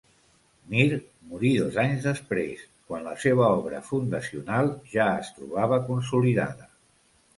Mir morí dos anys després, quan la seva obra fundacional ja es trobava consolidada.